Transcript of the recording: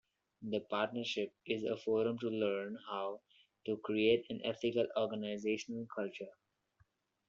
The partnership is a forum to learn how to create an ethical organizational culture.